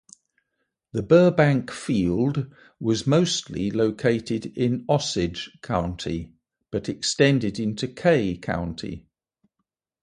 The Burbank field was mostly located in Osage County but extended into Kay County.